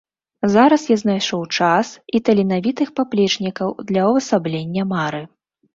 Зараз я знайшоў час і таленавітых паплечнікаў для ўвасаблення мары.